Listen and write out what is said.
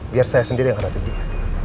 biar saya sendiri yang hadapi dia